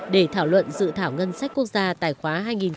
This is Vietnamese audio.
để thảo luận dự thảo ngân sách quốc gia tài khoá hai nghìn một mươi bảy